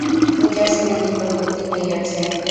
পূজার সময় নিকটবর্তী হইয়াছে।